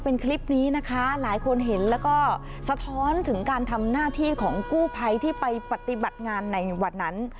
เป็นคลิปนี้นะคะหลายคนเห็นแล้วก็สะท้อนถึงการทำหน้าที่ของกู้ภัยที่ไปปฏิบัติงานในวันนั้น